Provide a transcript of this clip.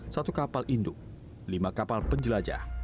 satu kapal induk lima kapal penjelajah